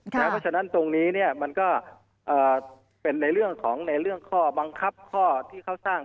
เพราะฉะนั้นตรงนี้มันก็เป็นในเรื่องของในเรื่องข้อบังคับข้อที่เขาสร้าง